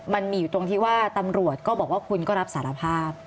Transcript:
มันมีอยู่ตรงที่ว่าตำรวจก็บอกว่าคุณก็รับสารภาพ